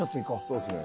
そうですね。